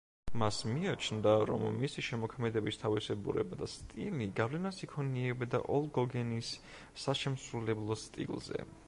მას მიაჩნდა, რომ მისი შემოქმედების თავისებურება და სტილი გავლენას იქონიებდა ოლ გოგენის საშემსრულებლო სტილზე.